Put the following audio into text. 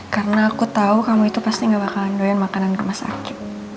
karena aku tau kamu itu pasti gak bakalan doyan makanan rumah sakit